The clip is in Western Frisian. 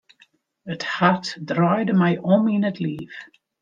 It hart draaide my om yn it liif.